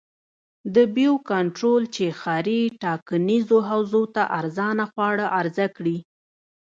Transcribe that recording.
د بیو کنټرول چې ښاري ټاکنیزو حوزو ته ارزانه خواړه عرضه کړي.